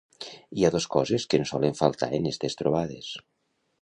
Hi ha dos coses que no solen faltar en estes trobades.